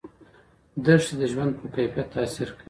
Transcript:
دښتې د ژوند په کیفیت تاثیر کوي.